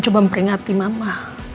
coba memperingati mama